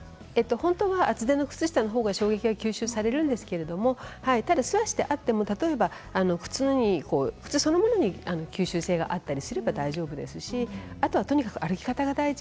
本当は厚手の靴下のほうが衝撃が吸収されるんですが素足であっても靴そのものに吸収性があったりすれば大丈夫ですしあとはとにかく歩き方が大事。